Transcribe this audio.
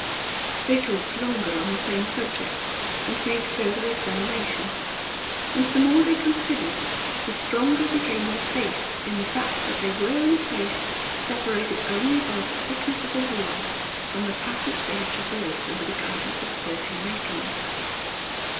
They talked longer on the same subject, and made further examination; and the more they considered the stronger became their faith in the fact that they were in a place separated only by the thickness of a wall from the passage they had traversed under the guidance of Percy Maitland.